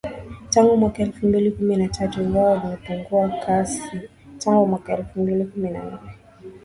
Tangu mwaka elfu mbili kumi na tatu ingawa vimepungua kasi tangu mwaka elfu mbili kumi na nane